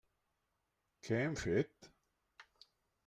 Què hem fet?